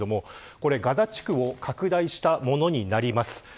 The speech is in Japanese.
これはガザ地区を拡大したものになります。